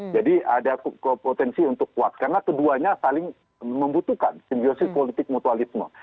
jadi ada potensi untuk kuat karena keduanya saling membutuhkan simbiosis politik mutualisme